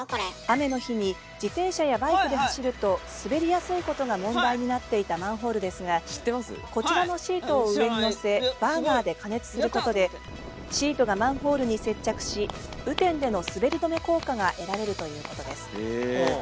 雨の日に自転車やバイクで走ると滑りやすいことが問題になっていたマンホールですがこちらのシートを上に載せバーナーで加熱することでシートがマンホールに接着し雨天での滑り止め効果が得られるということです。